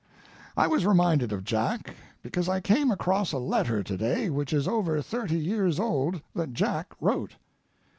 I was reminded of Jack because I came across a letter to day which is over thirty years old that Jack wrote.